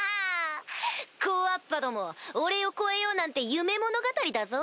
こわっぱども俺を超えようなんて夢物語だぞ？